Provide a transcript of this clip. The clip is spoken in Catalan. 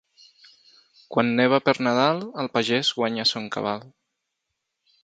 Quan neva per Nadal el pagès guanya son cabal.